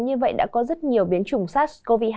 như vậy đã có rất nhiều biến chủng sars cov hai